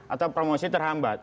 atau promosi terhambat